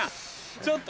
ちょっと。